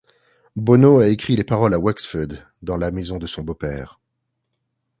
Bono a écrit les paroles à Wexford dans la maison de son beau-père.